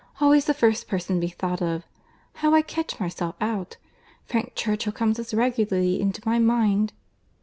Always the first person to be thought of! How I catch myself out! Frank Churchill comes as regularly into my mind!"